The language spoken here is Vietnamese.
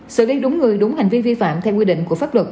xử lý đúng người đúng hành vi vi phạm theo quy định của pháp luật